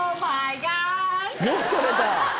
よく撮れた。